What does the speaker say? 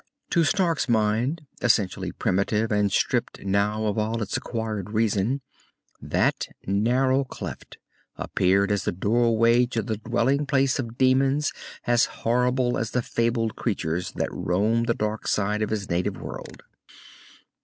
To Stark's mind, essentially primitive and stripped now of all its acquired reason, that narrow cleft appeared as the doorway to the dwelling place of demons as horrible as the fabled creatures that roam the Darkside of his native world.